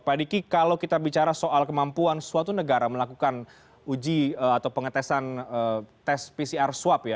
pak diki kalau kita bicara soal kemampuan suatu negara melakukan uji atau pengetesan tes pcr swab ya